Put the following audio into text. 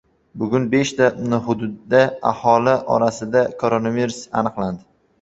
Bugun beshta hududda aholi orasida koronavirus aniqlandi